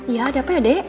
iya ada apa ya dek